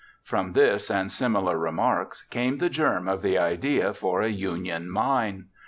From this and similar remarks came the germ of the idea for a Union mine.